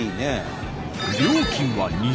料金は２００円。